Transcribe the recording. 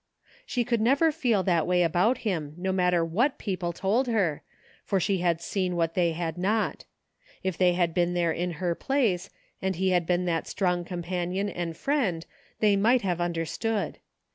She could never feel that way about him no matter what people told her, for she had seen what they had not If they had been there in her place and he had been that strong companion and friend they might have understood.